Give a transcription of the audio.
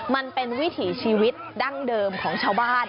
มันเป็นวิถีชีวิตดั้งเดิมของชาวบ้าน